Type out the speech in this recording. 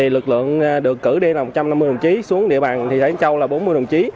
lực lượng được cử đi là một trăm năm mươi đồng chí xuống địa bàn thị trấn châu là bốn mươi đồng chí